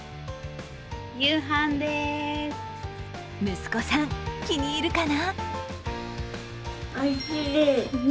息子さん、気に入るかな？